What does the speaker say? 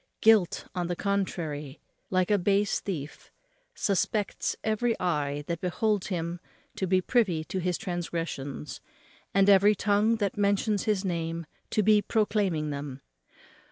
Guilt, on the contrary, like a base thief, suspects every eye that beholds him to be privy to his transgressions, and every tongue that mentions his name to be proclaiming them.